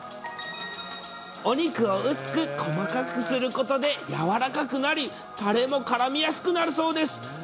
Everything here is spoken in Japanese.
お肉を薄く細かくすることで柔らかくなり、たれもからみやすくなるそうです。